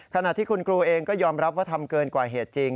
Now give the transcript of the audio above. ขณะที่คุณครูเองก็ยอมรับว่าทำเกินกว่าเหตุจริง